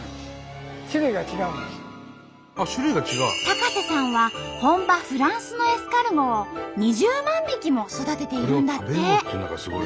高瀬さんは本場フランスのエスカルゴを２０万匹も育てているんだって。